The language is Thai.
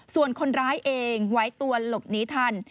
ส่วนคนร้ายเองไว้ตัวหลบหนีทัน